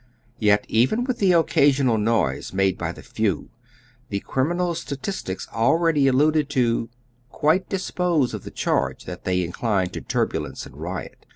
Yet, even with the occasional noise made by the few, the criminal statistics already alluded to quite dispose of the charge that they incline to turbulence and riot.